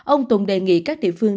ông tùng đề nghị các địa phương